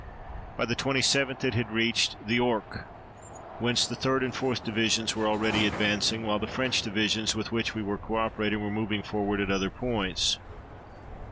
By the 27th it had reached the Ourcq, whence the 3d and 4th Divisions were already advancing, while the French divisions with which we were co operating were moving forward at other points.